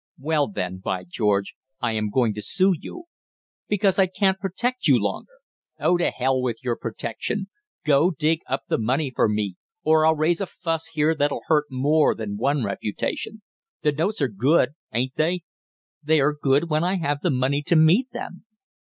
"Well, then, by George, I am going to sue you!" "Because I can't protect you longer!" "Oh, to hell with your protection! Go dig up the money for me or I'll raise a fuss here that'll hurt more than one reputation! The notes are good, ain't they?" "They are good when I have the money to meet them."